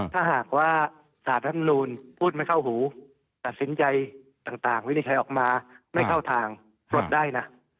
ถ้าหากว่าสารรัฐมนูลพูดไม่เข้าหูตัดสินใจต่างวินิจฉัยออกมาไม่เข้าทางปลดได้นะ